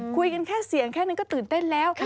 คุยกันแค่เสียงแค่นั้นก็ตื่นเต้นแล้ว